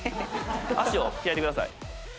足を開いてください。